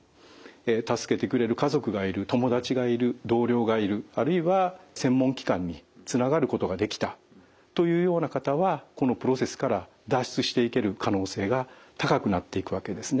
助けてくれる家族がいる友達がいる同僚がいるあるいは専門機関につながることができたというような方はこのプロセスから脱出していける可能性が高くなっていくわけですね。